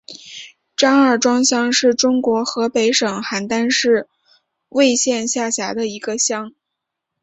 张二庄乡是中国河北省邯郸市魏县下辖的一个乡。